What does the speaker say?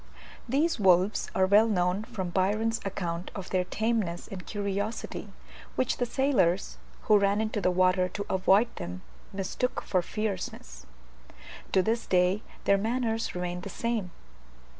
These wolves are well known from Byron's account of their tameness and curiosity, which the sailors, who ran into the water to avoid them, mistook for fierceness. To this day their manners remain the same.